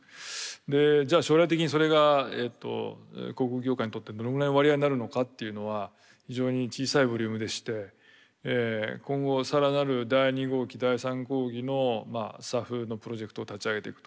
でじゃあ将来的にそれがえっと航空業界にとってどのぐらいの割合になるのかっていうのは非常に小さいボリュームでして今後更なる第２号機第３号機のＳＡＦのプロジェクトを立ち上げていくと。